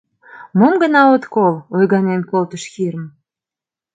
— Мом гына от кол! — ойганен колтыш Хирм.